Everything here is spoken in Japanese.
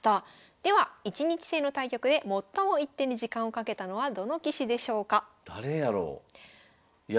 では一日制の対局で最も１手に時間をかけたのはどの棋士でしょうか？